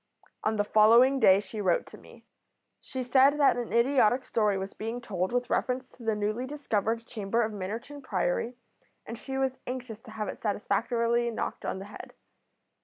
On the following day she wrote to me. She said that an idiotic story was being told with reference to the newly discovered chamber of Minnerton Priory, and she was anxious to have it satisfactorily knocked on the head.